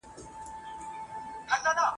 مينه د وطن و ماته